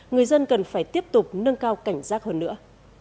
người dân cần phải tiếp tục nâng cao cảnh giác hơn nữa